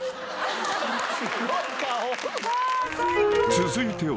［続いては］